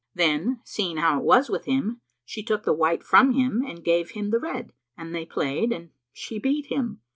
Then, seeing how it was with him, she took the white from him and gave him the red, and they played and she beat him.